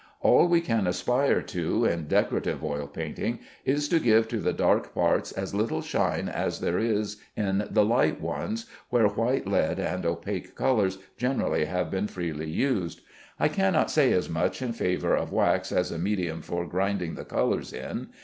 All we can aspire to, in decorative oil painting, is to give to the dark parts as little shine as there is in the light ones, where white lead and opaque colors generally have been freely used. I cannot say as much in favor of wax as a medium for grinding the colors in.